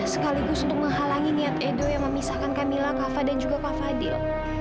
sekaligus untuk menghalangi niat edo yang memisahkan kamila kafa dan juga pak fadil